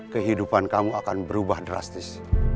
kehidupan kamu akan berubah drastis